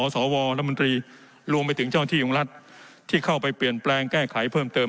สวรัฐมนตรีรวมไปถึงเจ้าหน้าที่ของรัฐที่เข้าไปเปลี่ยนแปลงแก้ไขเพิ่มเติม